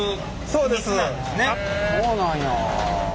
そうなんや。